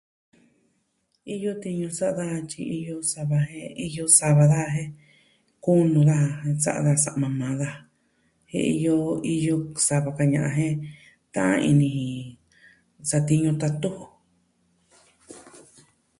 Iyo tiñu sa'a daja, tyi iyo sava jen, iyo sava daja jen, kunu daja jen sa'a da sa'ma maa daja jen iyo, iyo sava ka ña'an jen ta'an ini ji, satiñu tatu ju.